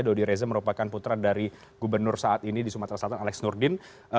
dodi reza merupakan putra dari gubernur saat ini di sumatera selatan alex nurdin